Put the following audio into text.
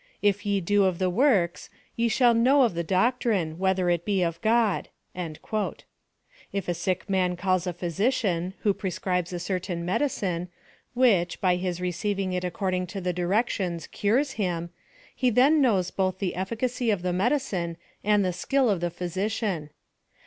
If ye do of the works, ye shall know of the doctrine, whether it be of God.'^ If a sick man calls a physician, who prescribes a certain medicine, which, by his receiving it accord ing to the directions, cures him, he then knows both the eflicacy of the medicine, and the skill of the physician.